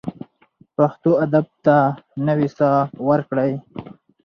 پښتو ادب ته نوې ساه ورکړئ.